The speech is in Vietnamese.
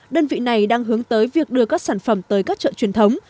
đơn vị này đang hướng tới việc đưa các sản phẩm tới các chợ truyền thống